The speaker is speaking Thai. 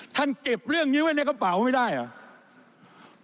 เก็บเรื่องนี้ไว้ในกระเป๋าไม่ได้เหรอ